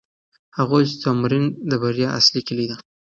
هغه وویل چې تمرين د بریا اصلي کیلي ده.